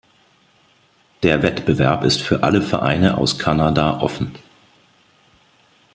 Der Wettbewerb ist für alle Vereine aus Kanada offen.